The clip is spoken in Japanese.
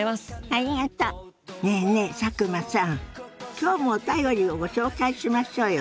今日もお便りをご紹介しましょうよ。